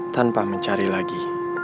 tanpa mencari lagi